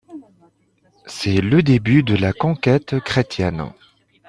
C’est le début de la conquête chrétienne.